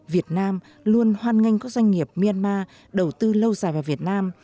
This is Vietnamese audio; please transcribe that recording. việt nam luôn hoan nghênh các doanh nghiệp myanmar đầu tư lâu dài vào việt nam